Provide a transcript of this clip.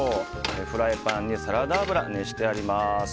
フライパンにサラダ油を熱してあります。